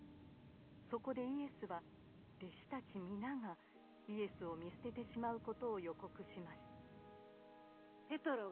そこでイエスは弟子たち皆がイエスを見捨ててしまうことを予告します。